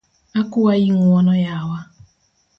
Akuayi ng’uono yawa